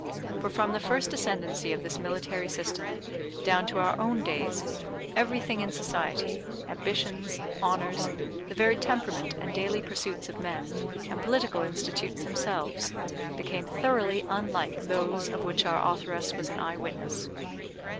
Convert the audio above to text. For from the first ascendency of this military system down to our own days everything in society ambitions, honors, the very temperament and daily pursuits of men, and political institutes themselves became thoroughly unlike those of which our authoress was an eye witness.